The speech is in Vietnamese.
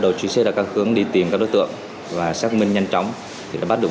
vụ việc khiến nhiều người đi đường một phên hoảng loạn